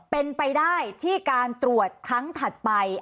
เป็นไปได้ที่การตรวจครั้งถัดไป